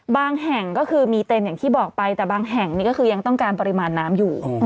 แห่งก็คือมีเต็มอย่างที่บอกไปแต่บางแห่งนี่ก็คือยังต้องการปริมาณน้ำอยู่